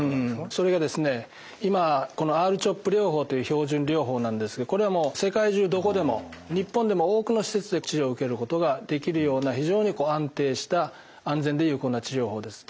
それがですね今ＲーＣＨＯＰ療法という標準療法なんですがこれはもう世界中どこでも日本でも多くの施設で治療を受けることができるような非常に安定した安全で有効な治療法です。